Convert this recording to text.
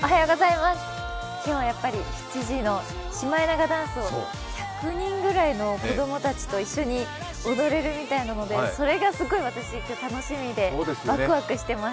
今日はやっぱり７時のシマエナガダンスを１００人ぐらいの子供たちと一緒に踊れるみたいなので、それがすごい楽しみでワクワクしています。